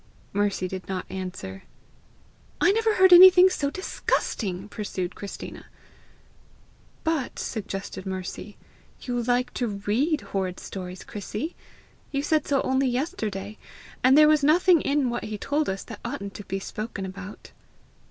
Mercy did not answer. "I never heard anything so disgusting!" pursued Christina. "But," suggested Mercy, "you like to READ horrid stories, Chrissy! You said so only yesterday! And there was nothing in what he told us that oughtn't to be spoken about."